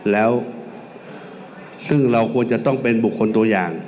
แล้วซึ่งเราควรจะต้องเป็นบุคคลตัวอย่าง